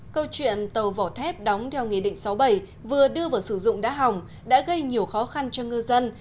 câu chuyện tàu vỏ thép đóng theo nghị định sáu bảy vừa đưa vào sử dụng đã hỏng đã gây nhiều khó khăn cho ngư dân